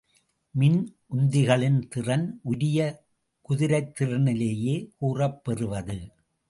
மின் உந்திகளின் திறன் உரிய குதிரைத்திறனிலேயே கூறப் பெறுவது.